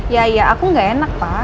ya iya aku gak enak pak